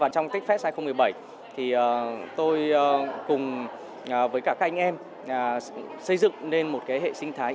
trong techfest hai nghìn một mươi bảy tôi cùng với cả các anh em xây dựng nên một hệ sinh thái